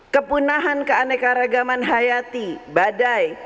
kepunahan keanekaragaman hayati badai